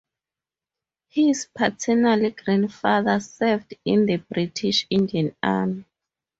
His paternal grandfather served in the British Indian Army.